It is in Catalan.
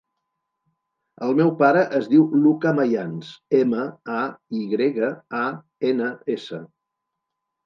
El meu pare es diu Luka Mayans: ema, a, i grega, a, ena, essa.